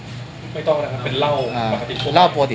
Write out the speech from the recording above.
ไม่ต้องแล้วเป็นเล่าปกติ๘๐